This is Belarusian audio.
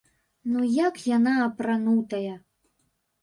Ну як яна апранутая?